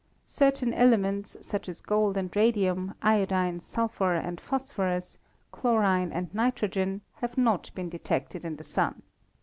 Certain elements, such as gold and radium, iodine, sulphur and phosphorus, chlorine and nitrogen, have not been detected in the Sun.